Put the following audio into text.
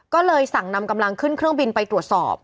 ก็เลยสั่งนำกำลังขึ้นเครื่องบินไปตรวจสอบ